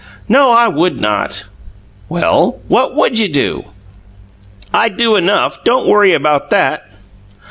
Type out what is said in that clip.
"No, I would not!" "Well, what WOULD you do?" "I'd do enough. Don't worry about that!"